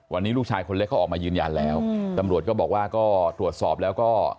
วันนี้ลูกชายคนเล็กเขาออกมายืนยันแล้วตำรวจก็บอกว่าก็ตรวจสอบแล้วก็